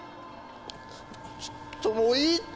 ちょっともういいって！